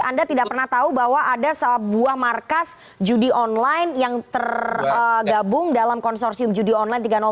anda tidak pernah tahu bahwa ada sebuah markas judi online yang tergabung dalam konsorsium judi online tiga ratus dua